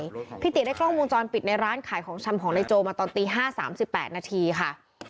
พี่ตีกิติศักดิ์ได้กล้องมุมจรปิดในร้านขายของฉัมของในโจมาตอนตี๕๓๘นาทีค่ะ